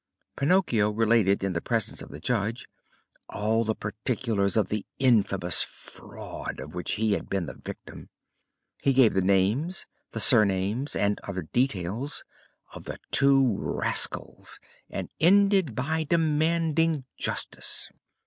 Pinocchio related in the presence of the judge all the particulars of the infamous fraud of which he had been the victim. He gave the names, the surnames, and other details, of the two rascals, and ended by demanding justice.